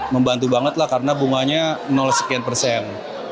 membantu banget lah karena bunganya sekian persen